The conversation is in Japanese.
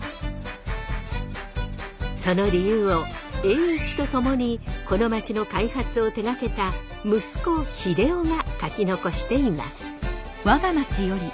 その理由を栄一と共にこの街の開発を手がけた息子秀雄が書き残しています。